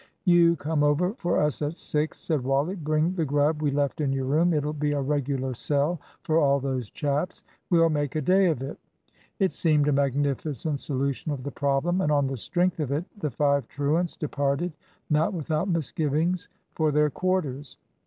"You come over for us at six," said Wally. "Bring the grub we left in your room. It'll be a regular sell for all those chaps. We'll make a day of it." It seemed a magnificent solution of the problem; and on the strength of it the five truants departed, not without misgivings, for their quarters.